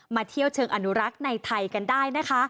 เที่ยวเชิงอนุรักษ์ในไทยกันได้นะคะ